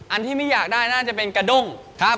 อันที่ไม่อยากได้น่าจะเป็นกระด้งครับ